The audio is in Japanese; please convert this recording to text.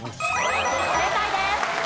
正解です。